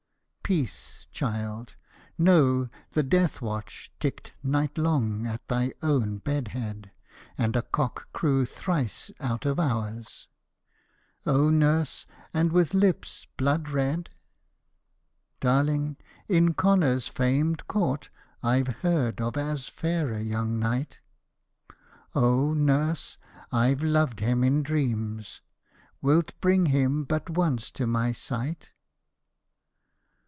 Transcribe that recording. ' Peace, child ! know the death watch ticked night long at thy own bed head. And a cock crew thrice out of hours.' ' Oh, nurse ! and with lips blood red ?' 38 FATE OF THE THREE SONS OF ' Darling, in Connor's famed court, I 've heard of as fair a young knight.' ' Oh, nurse ! I 've loved him in dreams. — Wilt bring him but once to my sight?'